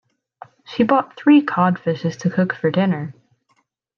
She bought three cod fishes to cook for dinner.